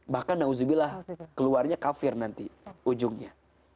bahkan na'udzubillah keluarnya kafir nanti ujungnya